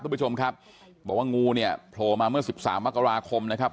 ทุกผู้ชมครับบอกว่างูโพลมาเมื่อ๑๓มกราคมนะครับ